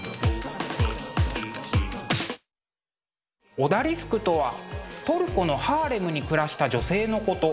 オダリスクとはトルコのハーレムに暮らした女性のこと。